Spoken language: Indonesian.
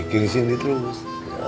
di sini terus